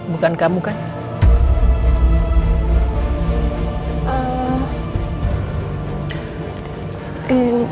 bukan kamu kan